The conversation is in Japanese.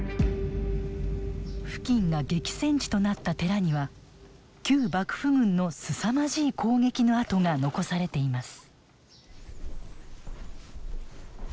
付近が激戦地となった寺には旧幕府軍のすさまじい攻撃の跡が残されています。